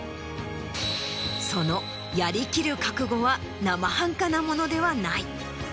そのやりきる覚悟は生半可なものではない。